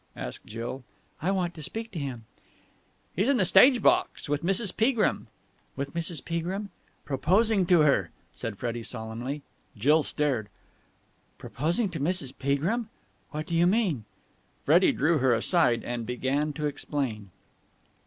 asked Jill. "I want to speak to him." "He's in the stage box, with Mrs. Peagrim." "With Mrs. Peagrim?" "Proposing to her," said Freddie solemnly. Jill stared. "Proposing to Mrs. Peagrim? What do you mean?" Freddie drew her aside, and began to explain.